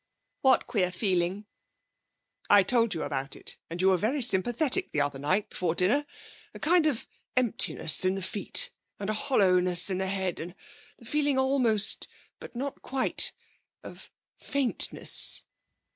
'What queer feeling?' 'I told you about it, and you were very sympathetic the other night, before dinner. A kind of emptiness in the feet, and a hollowness in the head, the feeling almost, but not quite, of faintness.'